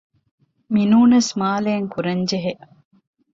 މިނޫނަސް މާލެއިން ކުރަންޖެހޭ